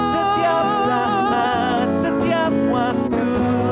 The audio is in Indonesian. setiap saat setiap waktu